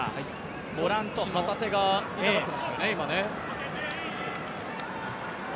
旗手が痛がっていましたよね、さっき。